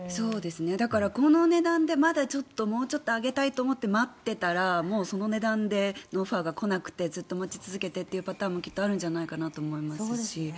だからこの値段でまだもうちょっと上げたいと思って待っていたらその値段でのオファーが来なくてずっと待ち続けてというパターンもあるんじゃないかなと思いますし。